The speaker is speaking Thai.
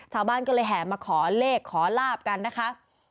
ชาวบ้านก็เลยแห่มาขอเลขขอลาบกันนะคะ